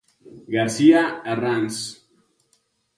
García Arranz.